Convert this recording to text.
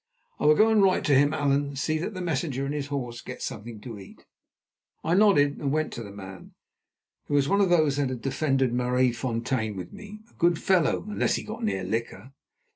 I will go and write to him. Allan, see that the messenger and his horse get something to eat." I nodded and went to the man, who was one of those that had defended Maraisfontein with me, a good fellow unless he got near liquor.